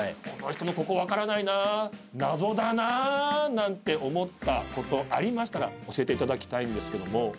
この人のここ分からないな謎だななんて思ったことありましたら教えていただきたいんですけども。